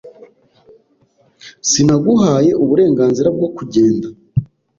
Sinaguhaye uburenganzira bwo kugenda